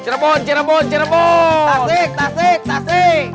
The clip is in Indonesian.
cirebon cirebon cirebon tasik tasik tasik